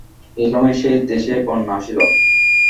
এই সময়ে সেই দেশে বন্যা আসিল।